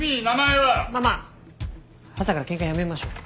まあまあ朝からケンカやめましょう。